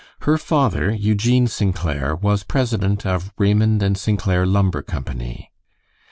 Her father, Eugene St. Clair, was president of Raymond and St. Clair Lumber Company.